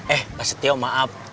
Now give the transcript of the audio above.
eh pak setio maaf